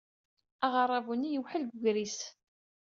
Aɣerrabu-nni yewḥel deg wegris.